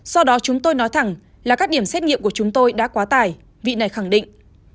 sau đó chúng tôi nói thẳng là các điểm xét nghiệm của chúng tôi đã quá tải vị này khẳng định